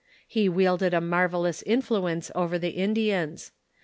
He wielded a marvellous influence over the Indians.